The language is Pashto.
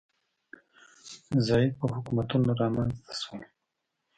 ضعیفه حکومتونه رامنځ ته شول